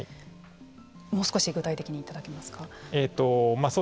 もう少し具体的にいただけますか。